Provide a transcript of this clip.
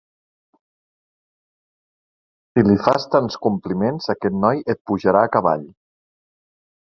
Si li fas tants compliments, aquest noi et pujarà a cavall.